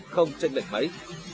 không chênh lệch máy